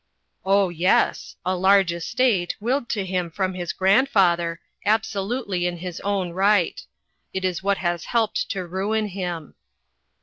" Oh, yes ; a large estate, willed to him from his grandfather, absolutely in his own right. It is what has helped to ruin him."